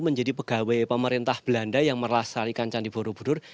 menjadi pegawai pemerintah belanda yang merasai kancan di borobudur